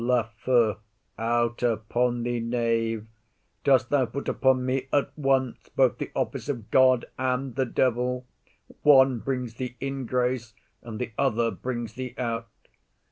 LAFEW. Out upon thee, knave! dost thou put upon me at once both the office of God and the devil? One brings thee in grace, and the other brings thee out.